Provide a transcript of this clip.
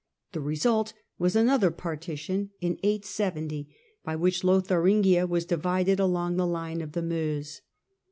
The result was another partition (870) , by which Lotharingia was divided along the line of the Meuse.